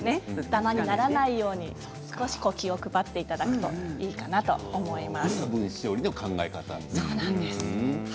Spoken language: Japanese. ダマにならないように気を配っていただければいいかなと思います。